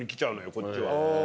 こっちは。